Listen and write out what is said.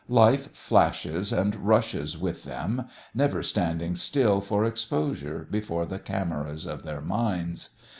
Life flashes and rushes with them, never standing still for exposure before the cameras of their minds.